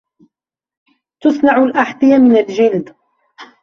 تُصْنَعُ الْأَحْذِيَةَ مِنَ الْجَلْدِ.